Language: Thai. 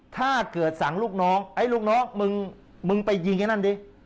ถ้าเกิดสั่งลูกน้องไอ้ลูกน้องมึงมึงไปยิงไอ้นั่นดิ